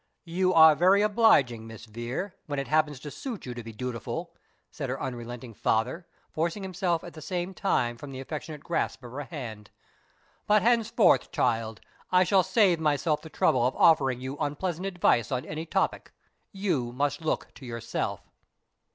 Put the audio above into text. "You are very obliging, Miss Vere, when it happens to suit you to be dutiful," said her unrelenting father, forcing himself at the same time from the affectionate grasp of her hand; "but henceforward, child, I shall save myself the trouble of offering you unpleasant advice on any topic. You must look to yourself."